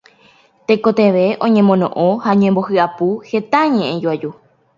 tekotevẽ oñemono'õ ha oñembohyapu heta ñe'ẽjoaju.